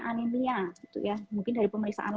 anemia mungkin dari pemeriksaan